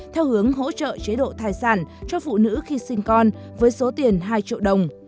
theo hướng hỗ trợ chế độ thai sản cho phụ nữ khi sinh con với số tiền hai triệu đồng